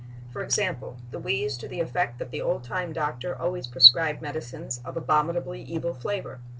For example, the wheeze to the effect that the old time doctor always prescribed medicines of abominably evil flavor....